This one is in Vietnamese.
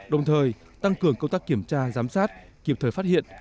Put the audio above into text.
đồng thời tăng cường công tác kiểm tra giám sát kịp thời phát hiện